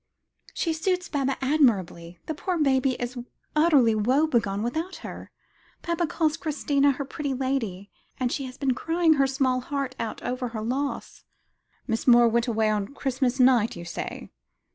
"She suits Baba admirably. The poor baby is utterly woebegone without her. Baba calls Christina her pretty lady; and she has been crying her small heart out over her loss." "Miss Moore went away on Christmas night, you say?"